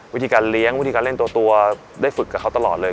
วิธีการเลี้ยงวิธีการเล่นตัวได้ฝึกกับเขาตลอดเลย